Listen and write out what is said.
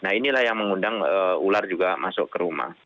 nah inilah yang mengundang ular juga masuk ke rumah